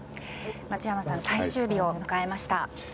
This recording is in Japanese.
松山さん、最終日を迎えました。